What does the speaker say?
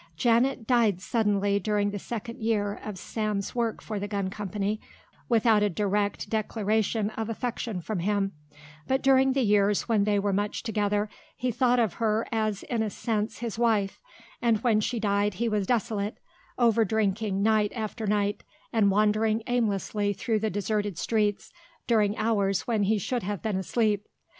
Janet died suddenly during the second year of Sam's work for the gun company without a direct declaration of affection from him, but during the years when they were much together he thought of her as in a sense his wife and when she died he was desolate, overdrinking night after night and wandering aimlessly through the deserted streets during hours when he should have been asleep.